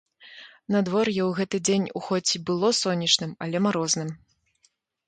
Надвор'е ў гэты дзень у хоць і было сонечным, але марозным.